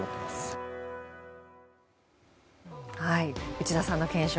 内田さんの検証